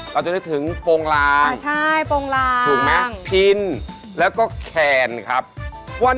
เราจะนึกถึงโปรงลางถูกไหมพินแล้วก็แขนครับอ่าใช่โปรงลาง